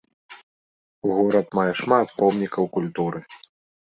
Горад мае шмат помнікаў культуры.